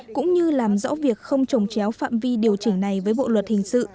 cũng như làm rõ việc không trồng chéo phạm vi điều chỉnh này với bộ luật hình sự